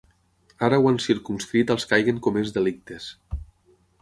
Ara ho ha circumscrit als que hagin comès delictes.